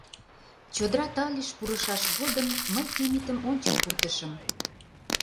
Чодыра тальыш пурышаш годым мый Темитым ончык пуртышым.